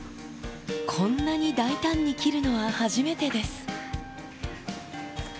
こんなに大胆に切るのは初めてです。